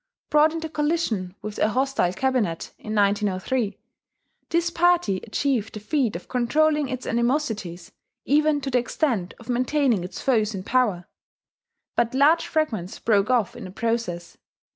Brought into collision with a hostile cabinet in 1903, this party achieved the feat of controlling its animosities even to the extent of maintaining its foes in power; but large fragments broke off in the process.